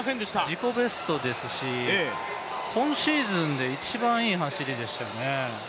自己ベストですし、今シーズンで一番いい走りでしたよね。